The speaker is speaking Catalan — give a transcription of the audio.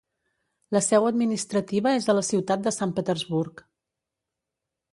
La seu administrativa és a la ciutat de Sant Petersburg.